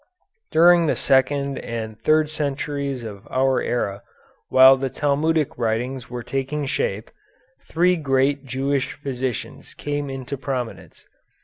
During the second and third centuries of our era, while the Talmudic writings were taking shape, three great Jewish physicians came into prominence.